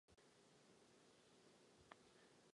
Vnitřní zařízení je z dob stavby chrámu.